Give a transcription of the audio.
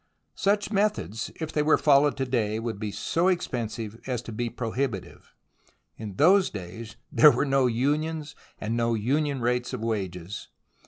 Such methods, if they were followed to day, would be so expensive as to be prohibitive. In those days there were no unions, and no union rates of wages.